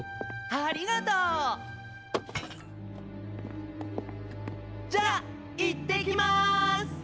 ありがとう！じゃ行ってきまーす！